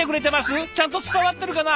ちゃんと伝わってるかな？